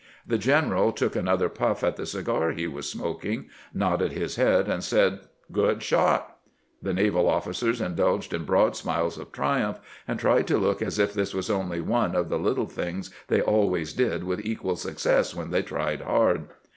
The general took another puff at the cigar he was smoking, nodded his head, and said, " Good shot !" The naval officers in dulged in broad smUes of triumph, and tried to look as if this was only one of the little things they always did with equal success when they tried hard.